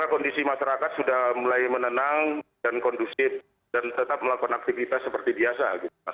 kondisi masyarakat sudah mulai menenang dan kondusif dan tetap melakukan aktivitas seperti biasa